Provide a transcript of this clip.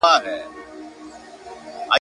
چی لېوه کړه د خره پښې ته خوله ورسمه ,